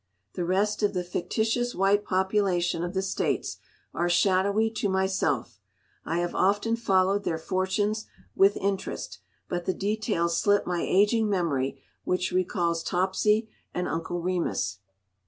The rest of the fictitious white population of the States are shadowy to myself; I have often followed their fortunes with interest, but the details slip my aging memory, which recalls Topsy and Uncle Remus.